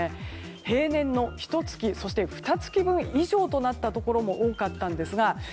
平年のひと月、ふた月分以上となったところも多かったんですが。